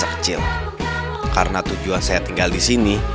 kecil karena tujuan saya tinggal disini